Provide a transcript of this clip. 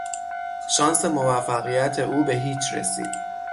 شانس موفقیت او به هیچ رسید.